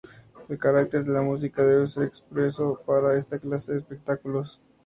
El carácter de la música debe ser expreso para esta clase de espectáculos.